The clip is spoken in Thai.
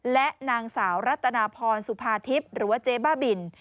และนางสาวรัตนาพรสุภาทิพย์หรือว่าเจ๊บ้าบิน